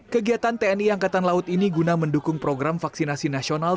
kegiatan tni angkatan laut ini guna mendukung program vaksinasi nasional